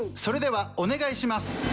それではお願いします。